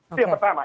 itu yang pertama